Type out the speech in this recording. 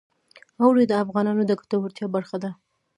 اوړي د افغانانو د ګټورتیا برخه ده.